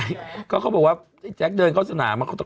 ไม่ใช่เขาบอกว่าไอ้แจคเดินเข้าศนามา